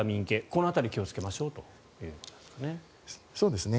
この辺り気をつけましょうということですね。